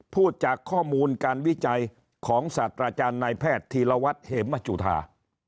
พูดจากข้อมูลการวิจัยของศาสตราจารย์นายแพทย์ธีรวัตรเหมจุธา